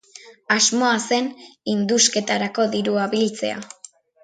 Asmoa zen indusketarako dirua biltzea.